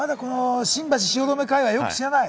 新橋・汐留界隈、よく知らない。